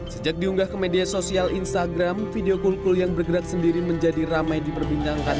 sejak diunggah ke media sosial instagram video cool cool yang bergerak sendiri menjadi ramai diperbincangkan